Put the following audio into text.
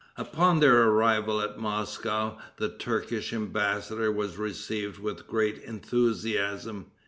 Upon their arrival at Moscow, the Turkish embassador was received with great enthusiasm.